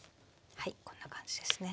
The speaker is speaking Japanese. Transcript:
はいこんな感じですね。